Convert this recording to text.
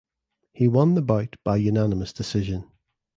He won the bout by unanimous decision.